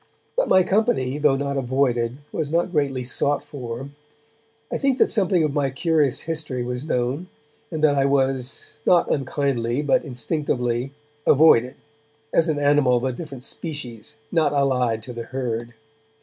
But my company, though not avoided, was not greatly sought for. I think that something of my curious history was known, and that I was, not unkindly but instinctively, avoided, as an animal of a different species, not allied to the herd.